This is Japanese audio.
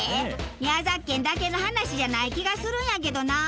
宮崎県だけの話じゃない気がするんやけどなあ。